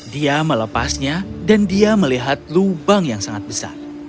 dia melepasnya dan dia melihat lubang yang sangat besar